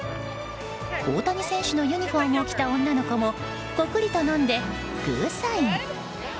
大谷選手のユニホームを着た女の子もゴクリと飲んで、グーサイン。